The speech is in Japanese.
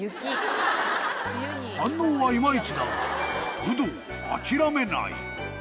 反応はいまいちだが、有働、諦めない。